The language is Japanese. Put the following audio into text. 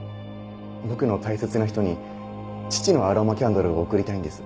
僕の大切な人に父のアロマキャンドルを贈りたいんです。